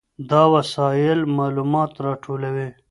دا وسایل معلومات راټولوي.